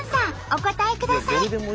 お答えください。